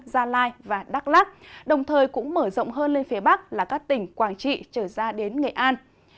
gia lai và đắk lắc đồng thời cũng mở rộng hơn lên phía bắc là các tỉnh quảng trị trở ra đến nghệ an